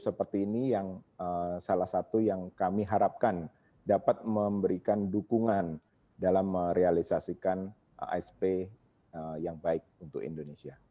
seperti ini yang salah satu yang kami harapkan dapat memberikan dukungan dalam merealisasikan asp yang baik untuk indonesia